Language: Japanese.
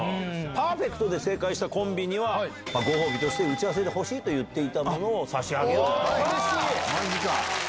パーフェクトで正解したコンビには、ご褒美として打ち合わせで欲しいと言っていたものを差し上げると。